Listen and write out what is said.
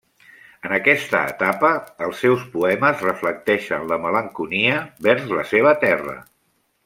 En aquesta etapa els seus poemes reflecteixen la malenconia vers la seva terra.